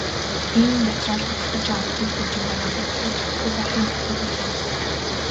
Ийм материал худалдаж авах бэл бэнчин байгаагүй боловч авахгүй байхын аргагүй байлаа.